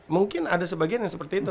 mungkin ada sebagian yang seperti itu